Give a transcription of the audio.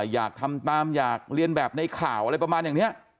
อยากทำตามอยากเรียนแบบในข่าวอะไรประมาณอย่างนี้